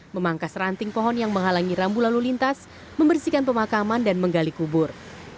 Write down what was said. memangkas ranting pohon yang menghalangi rambu lalu lintas membersihkan pemakaman dan menggali kubur